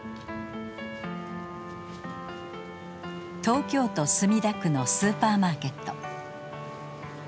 東京都墨田区のスーパーマーケット。